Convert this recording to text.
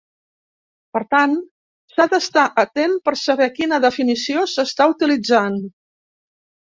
Per tant, s'ha d'estar atent per saber quina definició s'està utilitzant.